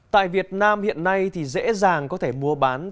tại việt nam hiện nay dễ dàng có thể mua bán tiền bán